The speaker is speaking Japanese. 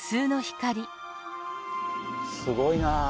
すごいなあ。